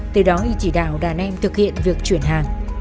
từ đó y chỉ đạo đàn em thực hiện việc chuyển hàng